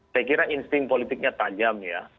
saya kira insting politiknya tajam ya